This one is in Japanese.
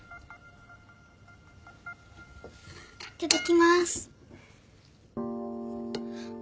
いただきます。